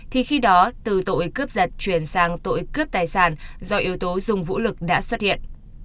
thì khi đó từ tội cướp giật chuyển sang tội cướp tài sản do yếu tố dùng vũ lực đã xuất hiện